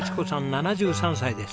７３歳です。